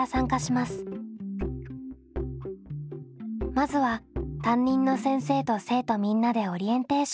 まずは担任の先生と生徒みんなでオリエンテーション。